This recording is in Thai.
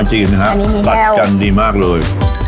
น้อยจีนนะฮะอันนี้มีแฮลล์บัตรจันทร์ดีมากเลย